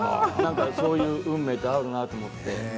そういう運命があるんだなと思って。